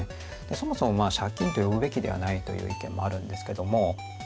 そもそも借金と呼ぶべきではないという意見もあるんですけども。